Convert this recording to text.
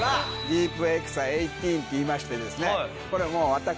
ディープエクサ１８っていいましてですね